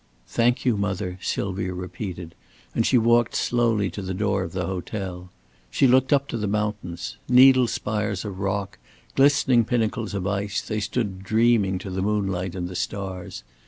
"Thank you, mother," Sylvia repeated, and she walked slowly to the door of the hotel. She looked up to the mountains. Needle spires of rock, glistening pinnacles of ice, they stood dreaming to the moonlight and the stars.